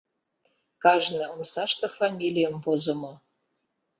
Кажне омсаште фамилийым возымо.